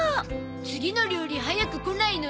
次の料理早く来ないの？